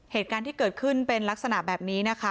เหตุการณ์ที่เกิดขึ้นเป็นลักษณะแบบนี้นะคะ